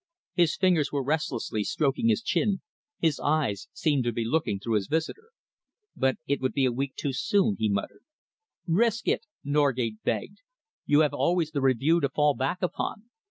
His fingers were restlessly stroking his chin, his eyes seemed to be looking through his visitor. "But it would be a week too soon," he muttered. "Risk it," Norgate begged. "You have always the Review to fall back upon.